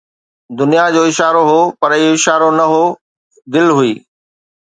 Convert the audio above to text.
دنيا جو اشارو هو، پر اهو اشارو نه هو، دل هئي